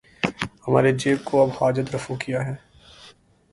ہمارے جیب کو اب حاجت رفو کیا ہے